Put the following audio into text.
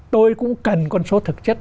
tôi cũng cần con số thật chất